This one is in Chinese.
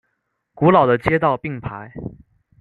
古老的街道并排。